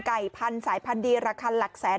ไก่พันธุ์สายพันธุ์ลระคันหลักแสน